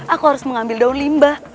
aku harus mengambil daun limbah